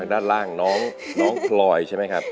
ด้านล่างน้องพลอยใช่ไหมครับ